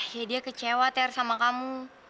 ya dia kecewa teror sama kamu